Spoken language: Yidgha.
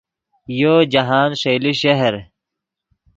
یو جاہند ݰئیلے شہر